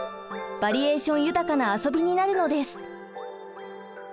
バリエーション豊かな遊びになるのです。